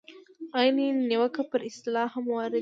عین نیوکه پر اصطلاح هم واردېږي.